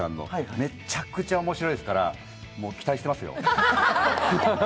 めっちゃくちゃ面白いですから、もう期待してますよ。